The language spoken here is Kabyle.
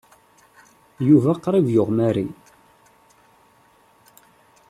Yuba qrib yuɣ Mary.